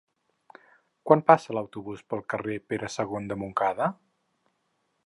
Quan passa l'autobús pel carrer Pere II de Montcada?